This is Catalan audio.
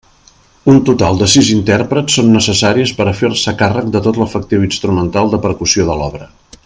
Un total de sis intèrprets són necessaris per a fer-se càrrec de tot l'efectiu instrumental de percussió de l'obra.